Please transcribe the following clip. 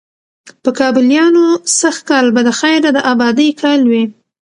په کابليانو سږ کال به د خیره د آبادۍ کال وي،